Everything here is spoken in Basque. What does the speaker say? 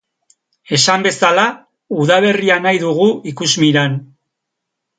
Esan bezala, udaberria nahi dugu ikusmiran.